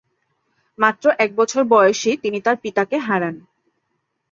মাত্র এক বছর বয়সেই তিনি তার পিতাকে হারান।